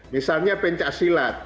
misalnya pencah silat